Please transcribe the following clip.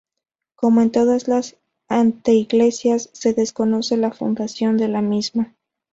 Como en todas las anteiglesias, se desconoce la fundación de la misma.